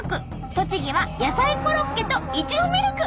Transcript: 栃木は野菜コロッケといちごミルク。